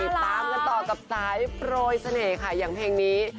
ตามกันต่อกับสายโปรยเสน่ห์ค่ะอย่างเพลงนี้